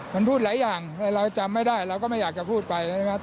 มันพูดหลายอย่างเราจำไม่ได้เราก็ไม่อยากจะพูดไปใช่ไหม